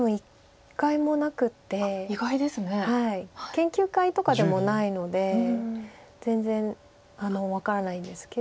研究会とかでもないので全然分からないんですけど。